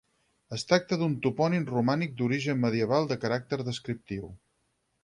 Es tracta d'un topònim romànic, d'origen medieval, de caràcter descriptiu.